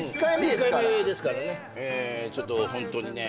１回目ですからねちょっとホントにね。